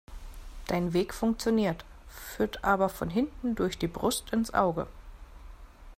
Dein Weg funktioniert, führt aber von hinten durch die Brust ins Auge.